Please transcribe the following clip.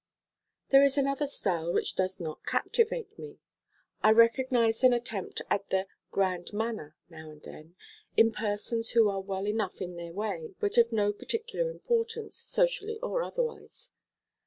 There is another style which does not captivate me. I recognize an attempt at the grand manner now and then, in persons who are well enough in their way, but of no particular importance, socially or otherwise.